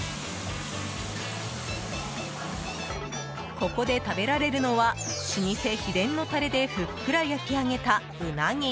ここで食べられるのは老舗秘伝のタレでふっくら焼き上げたウナギ。